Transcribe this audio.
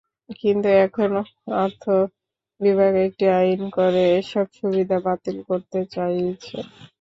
কিন্তু এখন অর্থ বিভাগ একটি আইন করে এসব সুবিধা বাতিল করতে চাইছে।